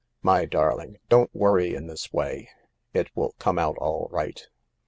My darling, don't worry in this way; it will come out all right.'